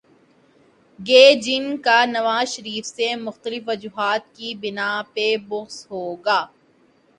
گے جن کا نواز شریف سے مختلف وجوہات کی بناء پہ بغض ہو گا۔